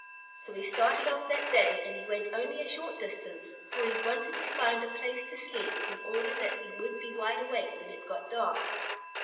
So he started off that day, and he went only a short distance, for he wanted to find a place to sleep in order that he would be wide awake when it got dark.